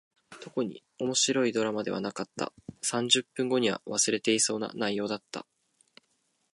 特に面白いドラマではなかった。三十分後には忘れていそうな内容だった。